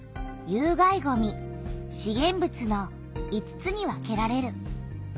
有害ごみ資源物の５つに分けられる。